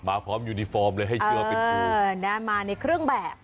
พร้อมยูนิฟอร์มเลยให้เชื่อว่าเป็นปืนมาในเครื่องแบบ